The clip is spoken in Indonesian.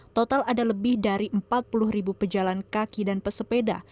total ada lebih dari empat puluh ribu pejalan kaki dan pesepeda